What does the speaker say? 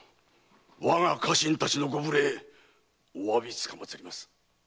我が家臣たちのご無礼お詫びつかまつります。